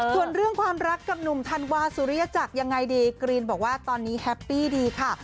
ส่วนเรื่องความรักกับหนุ่มธันวาสุริยจักรยังไงดีกรีนบอกว่าตอนนี้แฮปปี้ดีค่ะ